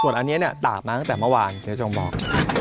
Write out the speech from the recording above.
ส่วนอันนี้ตากมาตั้งแต่เมื่อวานเจ๊ชงบอก